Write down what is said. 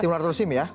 simulator sim ya